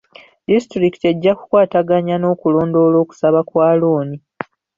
Disitulikiti ejja kukwataganya n'okulondoola okusaba kwa looni.